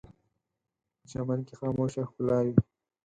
په چمن کې خاموشه ښکلا وي